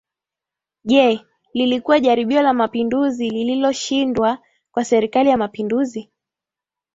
Je lilikuwa jaribio la Mapinduzi lililoshindwa kwa Serikali ya Mapinduzi